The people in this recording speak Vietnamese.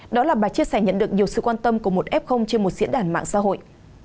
đó là bà chia sẻ nhận được nhiều sự quan tâm của một f trên một diễn đàn mạng xã hội